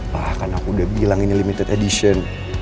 pak kan aku udah bilang ini limited edition